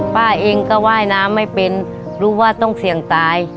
ป้าเองก็ว่ายน้ำไม่เป็นรู้ว่าต้องเสี่ยงตาย